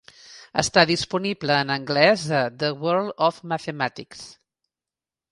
Està disponible en anglès a 'The World of Mathematics'.